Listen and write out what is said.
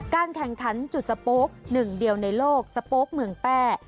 แข่งขันจุดสโป๊กหนึ่งเดียวในโลกสโป๊กเมืองแป้